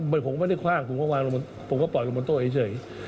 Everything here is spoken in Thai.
ผมก็ไม่ได้คว่างผมก็ปล่อยลงบนโต๊ะเองเฉย